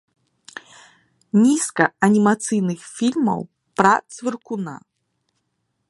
Нізка анімацыйных фільмаў пра цвыркуна.